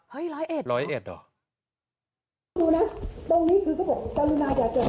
เฮ้ยร้อยเอจเหรอร้อยเอจเหรอ